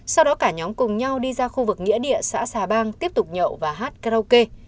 sau đó cả nhóm cùng nhau đi ra khu vực nghĩa địa xã xà bang tiếp tục nhậu và hát karaoke